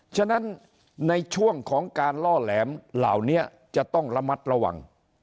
ฉะนั้นในช่วงของการล่อแหลมเหล่านี้จะต้องระมัดระวัง